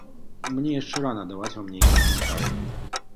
Мне яшчэ рана даваць вам нейкія каментарыі.